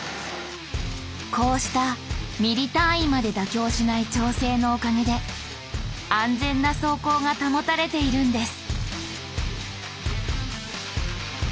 こうしたミリ単位まで妥協しない調整のおかげで安全な走行が保たれているんです。